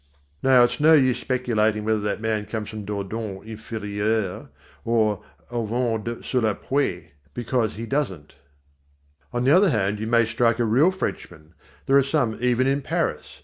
Now it's no use speculating whether that man comes from Dordogne Inférieure or from Auvergne sur les Puits because he doesn't. On the other hand, you may strike a real Frenchman there are some even in Paris.